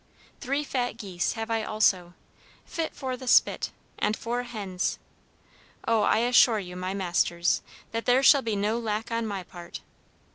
Three fat geese have I also, fit for the spit, and four hens. Oh, I assure you, my masters, that there shall be no lack on my part!